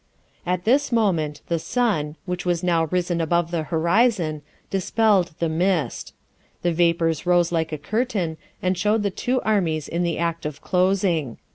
At this moment the sun, which was now risen above the horizon, dispelled the mist. The vapours rose like a curtain, and showed the two armies in the act of closing.